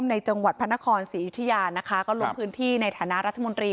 จังหวัดพระนครศรีอยุธยานะคะก็ลงพื้นที่ในฐานะรัฐมนตรี